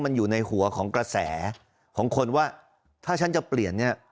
มันอยู่ในหัวของกระแสของคนว่าถ้าฉันจะเปลี่ยนเนี่ย